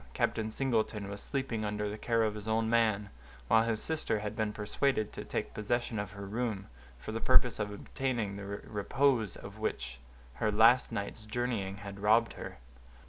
Captain Singleton was sleeping under the care of his own man, while his sister had been persuaded to take possession of her room, for the purpose of obtaining the repose of which her last night's journeying had robbed her.